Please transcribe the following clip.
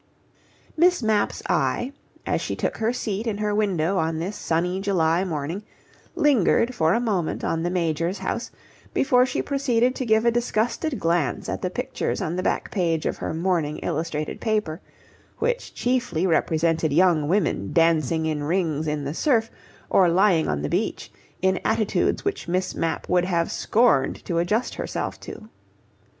Miss Mapp's eye, as she took her seat in her window on this sunny July morning, lingered for a moment on the Major's house, before she proceeded to give a disgusted glance at the pictures on the back page of her morning illustrated paper, which chiefly represented young women dancing in rings in the surf, or lying on the beach in attitudes which Miss Mapp would have scorned to adjust herself to.